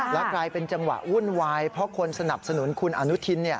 แล้วกลายเป็นจังหวะวุ่นวายเพราะคนสนับสนุนคุณอนุทิน